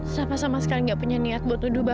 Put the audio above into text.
safa sama sekali gak punya niat buat tuduh bapak